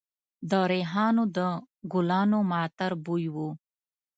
د ریحانو د ګلانو معطر بوی و